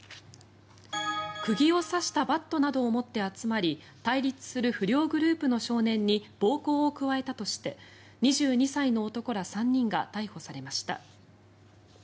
釘を刺したバットなどを持って集まり対立する不良グループの少年に暴行を加えたとして２２歳の男ら３人が逮捕されました。